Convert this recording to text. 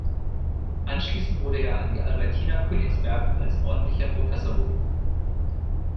Anschließend wurde er an die Albertina Königsberg als ordentlicher Professor berufen.